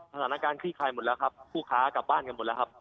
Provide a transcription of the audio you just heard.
คลี่คลายหมดแล้วครับผู้ค้ากลับบ้านกันหมดแล้วครับ